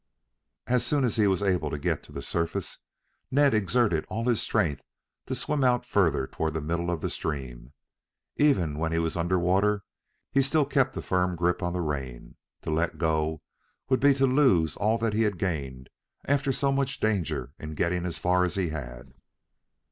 As soon as he was able to get to the surface Ned exerted all his strength to swim out further toward the middle of the stream. Even when he was under water, he still kept a firm grip on the rein. To let go would be to lose all that he had gained after so much danger in getting as far as he had.